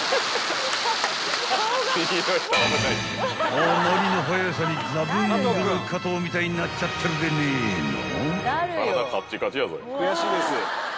［あまりの速さにザブングル加藤みたいになっちゃってるでねえの］